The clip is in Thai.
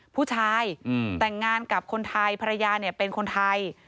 ผู้ชายแต่งงานกับคนไทยภรรยาเป็นคนไทย